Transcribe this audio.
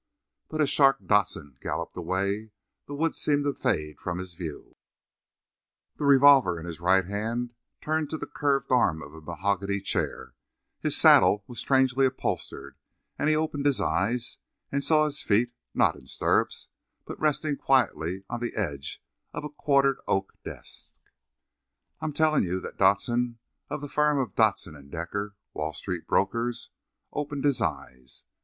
But as "Shark" Dodson galloped away the woods seemed to fade from his view; the revolver in his right hand turned to the curved arm of a mahogany chair; his saddle was strangely upholstered, and he opened his eyes and saw his feet, not in stirrups, but resting quietly on the edge of a quartered oak desk. I am telling you that Dodson, of the firm of Dodson & Decker, Wall Street brokers, opened his eyes.